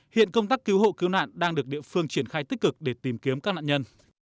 hiện công tác cứu hộ cứu nạn đang được địa phương triển khai tích cực để tìm kiếm các nạn nhân